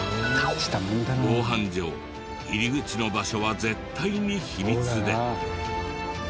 防犯上入り口の場所は絶対に秘密で。